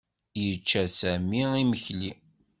Yečča Sami imekli.